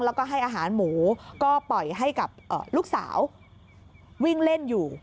แล้วก็ให้อาหารหมูก็ปล่อยให้กับลูกสาววิ่งเล่นอยู่